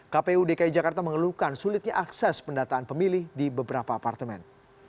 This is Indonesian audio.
kpu dki jakarta mengeluhkan sulitnya akses pendataan pemilih di beberapa apartemen